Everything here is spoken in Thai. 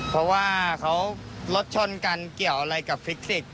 เพราะว่าเขารถชนกันเกี่ยวอะไรกับฟิกสิกส